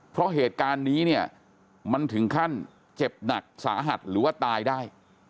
เพราะเหตุการณ์นี้เนี่ยมันถึงขั้นเจ็บหนักสาหัสหรือว่าตายได้